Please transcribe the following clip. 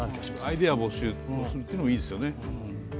アイデア募集するというのもいいですよね。